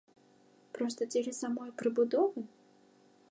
Проста дзеля самой прыбудовы?